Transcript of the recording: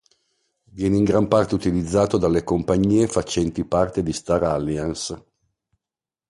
Viene in gran parte utilizzato dalle compagnie facenti parte di Star Alliance.